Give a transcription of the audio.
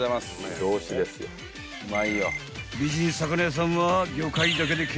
［美人魚屋さんは］